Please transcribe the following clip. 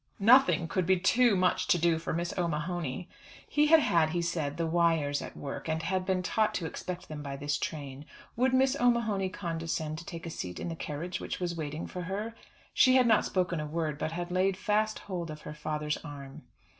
"Nothing could be too much to do for Miss O'Mahony." He had had, he said, the wires at work, and had been taught to expect them by this train. Would Miss O'Mahony condescend to take a seat in the carriage which was waiting for her? She had not spoken a word, but had laid fast hold of her father's arm.